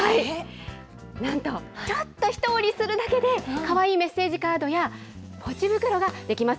なんと、ちょっと一折りするだけで、かわいいメッセージカードやポチ袋が出来ます。